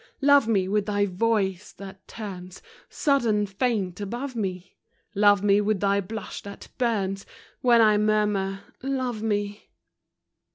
Love me with thy voice, that turns Sudden faint above me ; Love me with thy blush that burns When I murmur " Love me